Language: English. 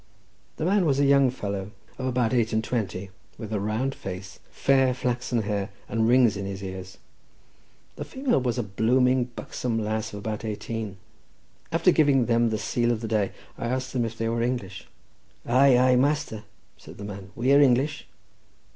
The man was a young fellow of about eight and twenty, with a round face, fair flaxen hair, and rings in his ears; the female was a blooming buxom lass of about eighteen. After giving them the sele of the day, I asked them if they were English. "Aye, aye, master," said the man; "we are English."